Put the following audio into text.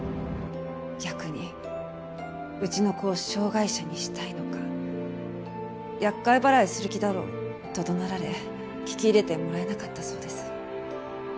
逆に「うちの子を障害者にしたいのか？」「厄介払いする気だろう！」と怒鳴られ聞き入れてもらえなかったそうです。